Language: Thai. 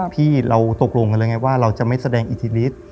พี่เราตกลงกันแล้วไงว่าเราจะไม่แสดงอิทธิฤทธิ์